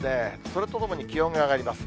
それとともに気温が上がります。